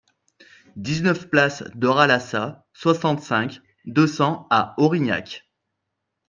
dix-neuf place Deras Laças, soixante-cinq, deux cents à Orignac